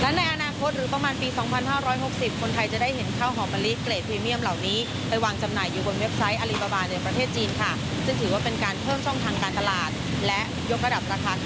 การการตลาดและยกระดับราคาข้าวในประเทศให้สูงขึ้นด้วยค่ะ